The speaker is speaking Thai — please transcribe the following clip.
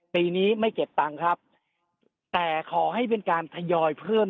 ปีนี้ไม่เก็บตังค์ครับแต่ขอให้เป็นการทยอยเพิ่ม